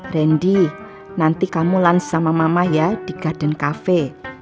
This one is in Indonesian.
randy nanti kamu lunch sama mama ya di garden cafe